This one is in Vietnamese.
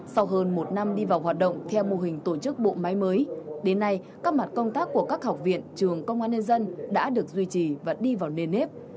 sau hơn một năm đi vào hoạt động theo mô hình tổ chức bộ máy mới đến nay các mặt công tác của các học viện trường công an nhân dân đã được duy trì và đi vào nền nếp